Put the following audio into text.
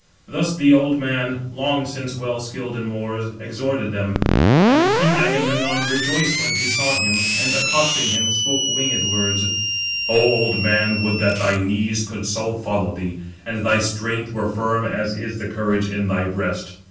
Thus the old man, long since well skilled in wars, exhorted them, and king Agamemnon rejoiced when he saw him; and accosting him, spoke winged words: "O old man, would that thy knees could so follow thee, and thy strength were firm as is the courage in thy breast.